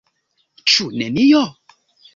Ĉu nenio?